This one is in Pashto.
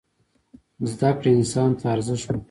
زدکړه انسان ته ارزښت ورکوي.